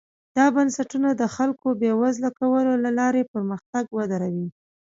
دا بنسټونه د خلکو بېوزله کولو له لارې پرمختګ ودروي.